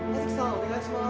お願いします